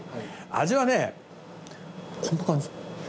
味はねこんな感じ。